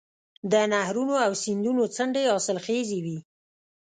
د نهرونو او سیندونو څنډې حاصلخیزې وي.